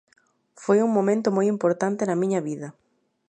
Foi un momento moi importante na miña vida.